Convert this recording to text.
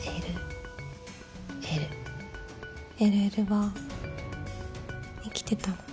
ＬＬ は生きてたの